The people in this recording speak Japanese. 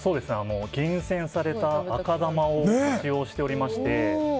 厳選された赤玉を使用しておりまして。